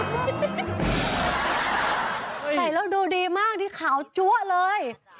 ใส่แล้วดูดีมากที่ขาวจั๊วเลย